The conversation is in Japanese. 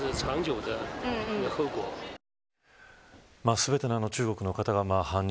全ての中国の方が反日